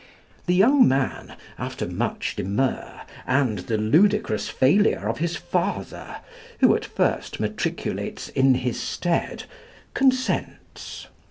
The young man, after much demur and the ludicrous failure of his father, who at first matriculates in his stead, consents.